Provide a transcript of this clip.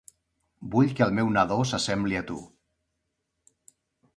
Vull que el meu nadó s'assembli a tu.